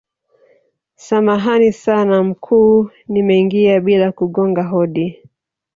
samahani sana mkuu nimeingia bila kugonga hodi